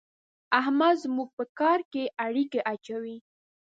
احمد زموږ په کار کې اړېکی اچوي.